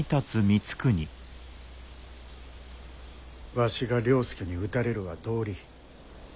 わしが了助に討たれるは道理。